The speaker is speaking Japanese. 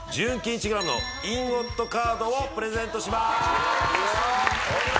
１ｇのインゴットカードをプレゼントします。